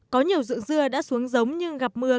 có nhiều dưỡng dưa đã xuân giống nhưng gặp mưa